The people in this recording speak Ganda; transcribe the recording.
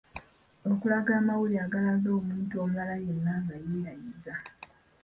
Okulaga amawulire agalaga omuntu omulala yenna nga yeerayiza